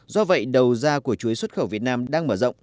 do vậy đầu ra của chuối xuất khẩu việt nam đang mở rộng